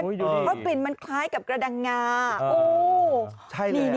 เพราะกลิ่นมันคล้ายกับกระดังงา